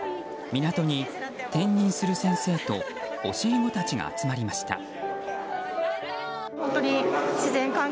港に転任する先生と教え子たちが集まりました。